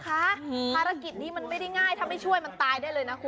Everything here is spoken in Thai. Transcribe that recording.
ภารกิจนี้มันไม่ได้ง่ายถ้าไม่ช่วยมันตายได้เลยนะคุณ